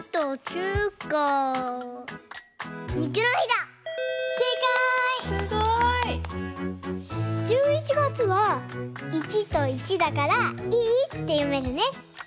すごい！１１月は「１」と「１」だから「いい」ってよめるね。